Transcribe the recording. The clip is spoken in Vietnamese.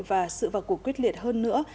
và sự vào cuộc quyết liệt hơn nữa